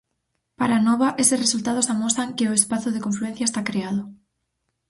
Para Anova, eses resultados amosan que o espazo de confluencia está creado.